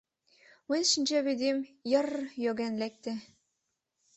Мыйын шинчавӱдем йыр-р йоген лекте...